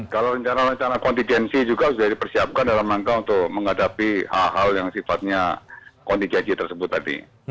kalau rencana rencana kontigensi juga sudah dipersiapkan dalam rangka untuk menghadapi hal hal yang sifatnya kontigensi tersebut tadi